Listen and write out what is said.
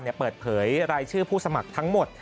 เปิดเผยรายชื่อผู้สมัครทั้งหมด